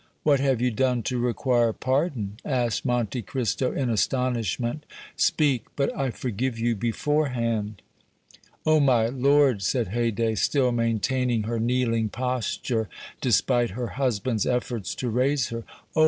"What have you done to require pardon?" asked Monte Cristo, in astonishment. "Speak, but I forgive you beforehand.' "Oh! my lord," said Haydée, still maintaining her kneeling posture despite her husband's efforts to raise her, "oh!